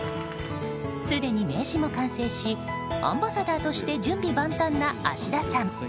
すでに名刺も完成しアンバサダーとして準備万端な芦田さん。